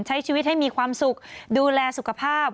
ใช้ชีวิตให้มีความสุขดูแลสุขภาพ